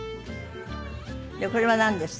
これはなんです？